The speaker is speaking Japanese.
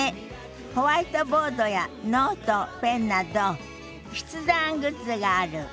ホワイトボードやノートペンなど筆談グッズがある。